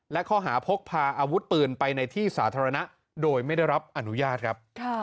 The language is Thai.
และข้อหาพกพาอาวุธปืนไปในที่สาธารณะโดยไม่ได้รับอนุญาตครับ